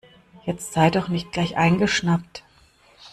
Jetzt sei doch nicht gleich eingeschnappt.